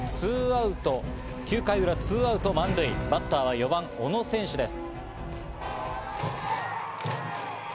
９回裏ツーアウト満塁、バッターは４番・小野選手です。